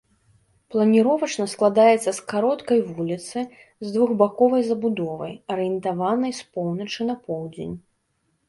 Планіровачна складаецца з кароткай вуліцы з двухбаковай забудовай, арыентаванай з поўначы на поўдзень.